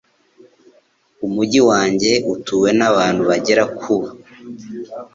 Umujyi wanjye utuwe n'abantu bagera ku